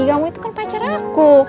yawu itu kan pacar aku